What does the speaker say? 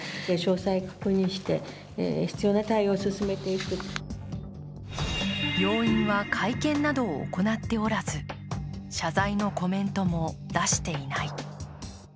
小池知事は病院は会見などを行っておらず謝罪のコメントも出していない。